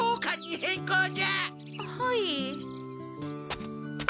はい。